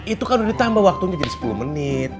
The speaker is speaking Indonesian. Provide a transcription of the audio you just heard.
itu kan udah ditambah waktunya jadi sepuluh menit